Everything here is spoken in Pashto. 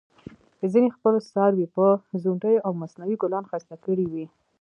ځینې خپل څاروي په ځونډیو او مصنوعي ګلانو ښایسته کړي وي.